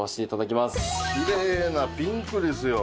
きれいなピンクですよ。